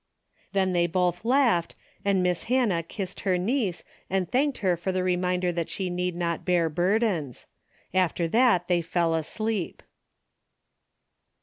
Then they both laughed and Miss Hannah kissed her niece and thanked her for the re minder that she need not bear burdens. After that they fell asleep.